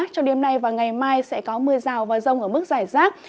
trong đêm nay và ngày mai sẽ có mưa rào và rông ở mức giải rác